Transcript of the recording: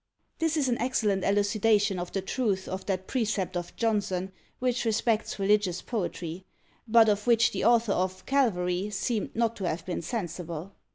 This is an excellent elucidation of the truth of that precept of Johnson which respects religious poetry; but of which the author of "Calvary" seemed not to have been sensible.